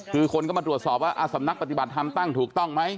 คือคนก็มาตรวจสอบว่าสำนักปฏิบัติธรรมตั้งถูกต้องไหม